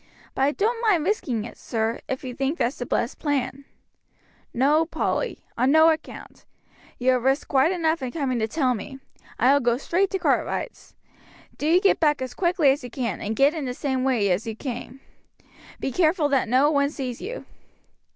But I don't mind risking it, sir, if you think that's the best plan." "No, Polly; on no account. You have risked quite enough in coming to tell me. I will go straight to Cartwright's. Do you get back as quickly as you can, and get in the same way you came. Be very careful that no one sees you."